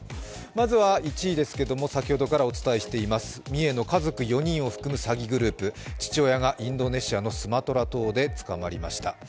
まずは１位ですけれども先ほどからお伝えしています三重の家族４人を含む詐欺グループ父親がインドネシアのスマトラ島で捕まりました。